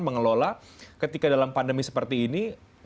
mengelola ketika dalam pandemi seperti ini